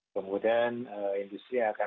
kemudian industri akan